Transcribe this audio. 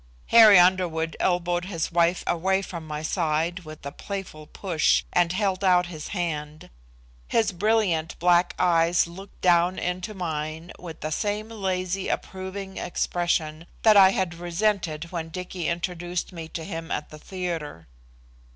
Harry Underwood elbowed his wife away from my side with a playful push, and held out his hand. His brilliant, black eyes looked down into mine with the same lazy approving expression that I had resented when Dicky introduced me to him at the theatre.